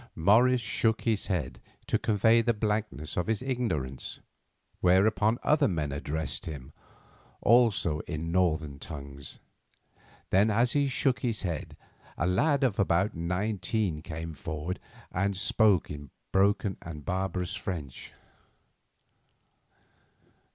Morris shook his head to convey the blankness of his ignorance, whereupon other men addressed him, also in northern tongues. Then, as he still shook his head, a lad of about nineteen came forward and spoke in broken and barbarous French.